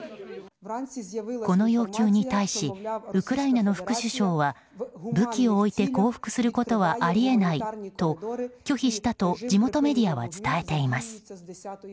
この要求に対しウクライナの副首相は武器を置いて降伏することはあり得ないと拒否したと地元メディアは伝えています。